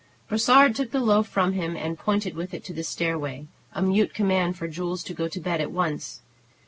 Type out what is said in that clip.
Brossard took the loaf from him, and pointed with it to the stairway, a mute command for Jules to go to bed at once.